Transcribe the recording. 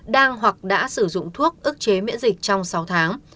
đang hoặc đã sử dụng thuốc ức chế miễn dịch trong sáu tháng